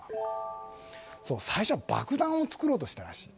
最初は爆弾を作ろうとしたらしい。